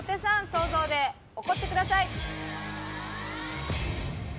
想像で怒ってください。